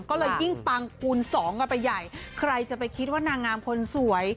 ก็เลยยิ่งปังคูณสองกันไปใหญ่ใครจะไปคิดว่านางงามคนสวย